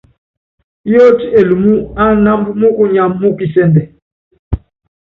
Yóoti Elumú ánámb múkunyá mú kisɛ́ndɛ.